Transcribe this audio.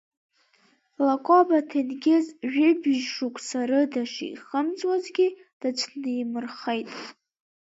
Лакоба Ҭенгиз жәибжь шықәса рыда шихымҵуазгьы дацәнимырхеит.